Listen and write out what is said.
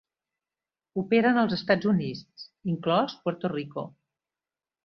Opera en els Estats Units, inclòs Puerto Rico.